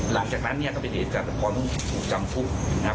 หลังจากนั้นเนี่ยก็ไปเรียนจัดพรทุกข์จำทุกข์นะครับ